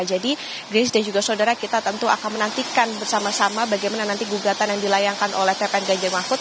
jadi krenis dan juga saudara kita tentu akan menantikan bersama sama bagaimana nanti gugatan yang dilayankan oleh tpn ganjar mafut